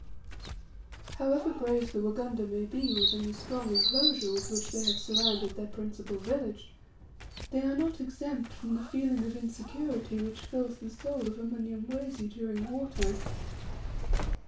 However brave the Wagunda may be within the strong enclosure with which they have surrounded their principal village, they are not exempt from the feeling of insecurity which fills the soul of a Mnyamwezi during war time.